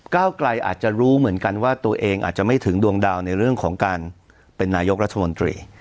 ไกลอาจจะรู้เหมือนกันว่าตัวเองอาจจะไม่ถึงดวงดาวในเรื่องของการเป็นนายกรัฐมนตรี